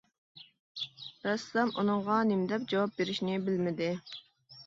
رەسسام ئۇنىڭغا نېمە دەپ جاۋاب بېرىشنى بىلمىدى.